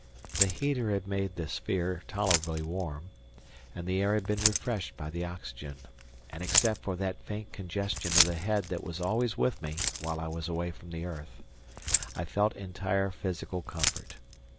The heater had made the sphere tolerably warm, the air had been refreshed by the oxygen, and except for that faint congestion of the head that was always with me while I was away from earth, I felt entire physical comfort.